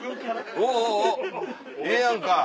おぉおぉええやんか。